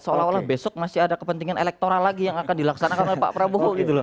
seolah olah besok masih ada kepentingan elektoral lagi yang akan dilaksanakan oleh pak prabowo gitu loh